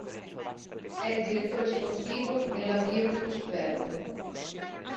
È il direttore sportivo nella Virtus Bergamo.